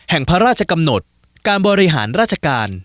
แห่งพระราชกำหนดการบริหารราชการ